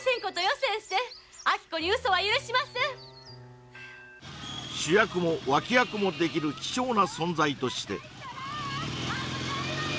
先生秋子にウソは許しません主役も脇役もできる貴重な存在として危ないわよ！